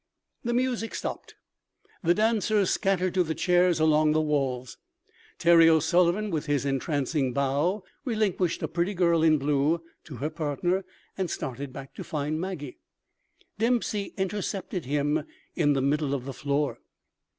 The music stopped. The dancers scattered to the chairs along the walls. Terry O'Sullivan, with his entrancing bow, relinquished a pretty girl in blue to her partner and started back to find Maggie. Dempsey intercepted him in the middle of the floor.